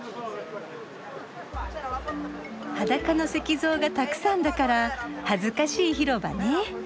裸の石像がたくさんだから「恥ずかしい広場」ね。